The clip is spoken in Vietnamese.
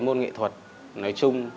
môn nghệ thuật nói chung